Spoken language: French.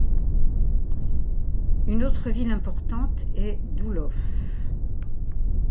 Une autre ville importante est Doolow.